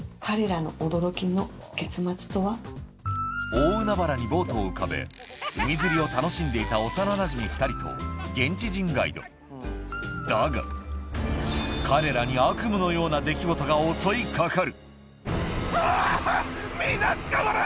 大海原にボートを浮かべ海釣りを楽しんでいた幼なじみ２人と現地人ガイドだが彼らに襲い掛かるうわ！